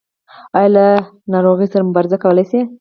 ایا له ناروغۍ سره مبارزه کولی شئ؟